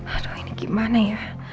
aduh ini gimana ya